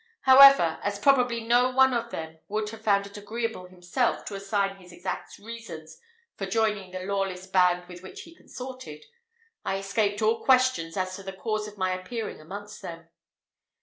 However, as probably no one of them would have found it agreeable himself to assign his exact reasons for joining the lawless band with which he consorted, I escaped all questions as to the cause of my appearing amongst them.